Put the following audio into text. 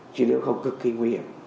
chỉ nếu không cực kỳ nguy hiểm